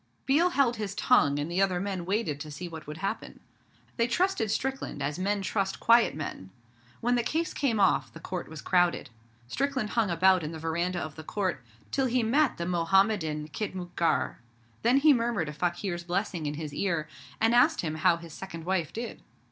Biel held his tongue, and the other men waited to see what would happen. They trusted Strickland as men trust quiet men. When the case came off the Court was crowded. Strickland hung about in the veranda of the Court, till he met the Mohammedan khitmutgar. Then he murmured a fakir's blessing in his ear, and asked him how his second wife did.